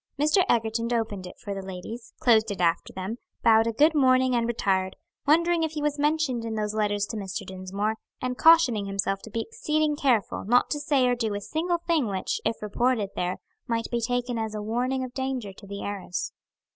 Mr. Egerton opened it for the ladies, closed it after them, bowed a good morning and retired, wondering if he was mentioned in those letters to Mr. Dinsmore, and cautioning himself to be exceeding careful not to say or do a single thing which, if reported there, might be taken as a warning of danger to the heiress.